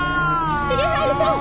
重治さん！